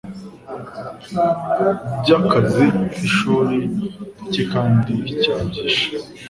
Bya akazi k'ishuri n'icyi kandi cyabyishe